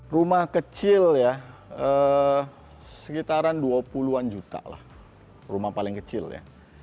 rumah kecil ya sekitaran dua puluh an juta lah rumah paling kecil ya